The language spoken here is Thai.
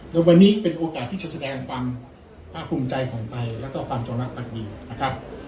แล้ววันนี้เป็นโอกาสที่จะแสดงความภาคภูมิใจของไทยแล้วก็ความจงรักพักดีนะครับ